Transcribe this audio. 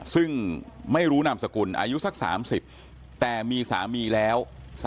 ซึ่งไม่รู้นามสกุลอายุสัก๓๐แต่มีสามีแล้ว